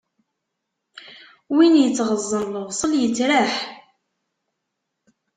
Win ittɣeẓẓen lebṣel, yettraḥ.